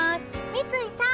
三井さん